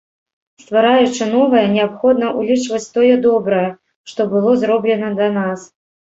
Ствараючы новае, неабходна ўлічваць тое добрае, што было зроблена да нас.